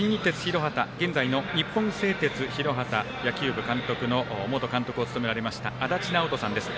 解説は新日鉄広畑日本製鉄広畑野球部監督の元監督を務められました足達尚人さんです。